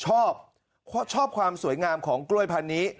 ชอบชอบความสวยงามของกล้วยพันธุ์นี้